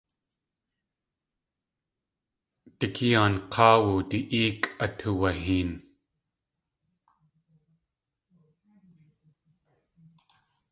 Dikée aank̲áawu du éekʼ atuwaheen.